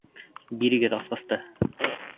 Бирегеҙ асҡысты!